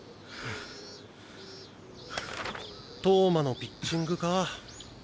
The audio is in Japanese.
投馬のピッチングか？